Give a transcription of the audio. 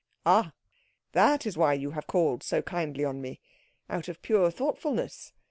"Ah that is why you have called so kindly on me? Out of pure thoughtfulness.